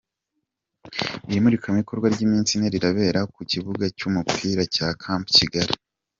Iri murikabikorwa ry’iminsi ine rirabera ku kibuga cy’umupira cya Camp Kigali.